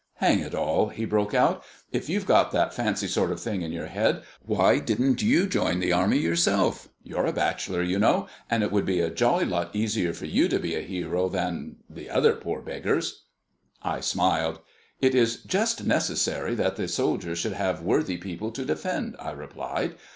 Hang it all," he broke out, "if you've got that fancy sort of thing in your head, why didn't you join the army yourself? You're a bachelor, you know, and it would be a jolly lot easier for you to be a hero than the other poor beggars." I smiled. "It is just as necessary that the soldier should have worthy people to defend," I replied.